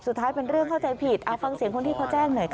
เป็นเรื่องเข้าใจผิดเอาฟังเสียงคนที่เขาแจ้งหน่อยค่ะ